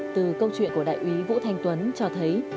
từ câu chuyện của đại úy vũ thanh tuấn cho thấy